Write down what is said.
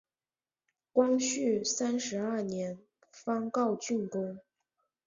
光绪三十二年方告竣工。